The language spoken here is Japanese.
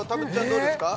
どうですか？